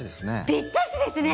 ぴったしですね！